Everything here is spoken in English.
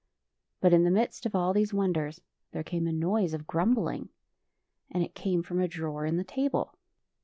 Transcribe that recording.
But in the midst of all these wonders, there came a noise of grumbling; and it came from a drawer in the table.